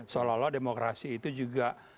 seolah olah demokrasi itu juga